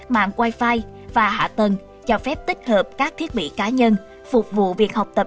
mạng wifi và hạ tầng cho phép tích hợp các thiết bị cá nhân phục vụ việc học tập